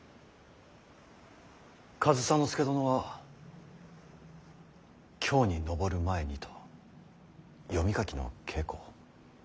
上総介殿は京に上る前にと読み書きの稽古を。